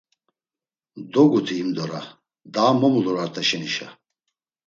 Doguti himdora daa mo mulur Art̆aşenişa.